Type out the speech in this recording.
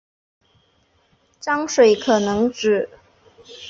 章水可能指